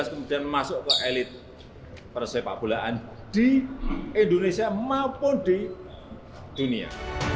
kemudian masuk ke elit persepak bolaan di indonesia maupun di dunia